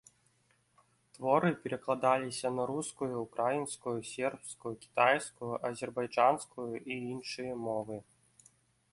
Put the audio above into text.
Творы перакладаліся на рускую, украінскую, сербскую, кітайскую, азербайджанскую і іншыя мовы.